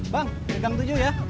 bang beritam tujuh ya